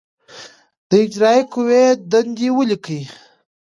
د اجرائیه قوې دندې ولیکئ.